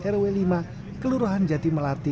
rw lima kelurahan jati melati